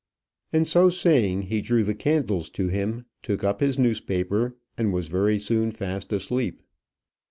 And so saying, he drew the candles to him, took up his newspaper, and was very soon fast asleep.